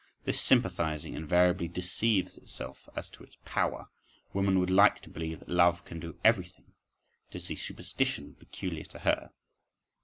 This sympathising invariably deceives itself as to its power; woman would like to believe that love can do everything—it is the superstition peculiar to her.